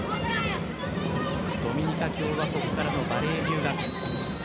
ドミニカ共和国からのバレー留学。